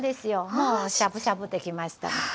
もうしゃぶしゃぶできましたので。